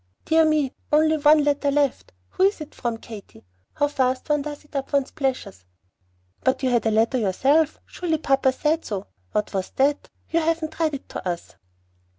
Dear me! only one letter left. Who is that from, Katy? How fast one does eat up one's pleasures!" "But you had a letter yourself. Surely papa said so. What was that? You haven't read it to us."